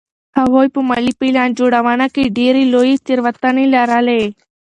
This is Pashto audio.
هغوی په مالي پلان جوړونه کې ډېرې لویې تېروتنې لرلې.